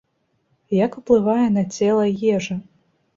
Як уплывае на цела ежа?